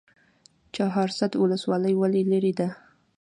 چهارسده ولسوالۍ ولې لیرې ده؟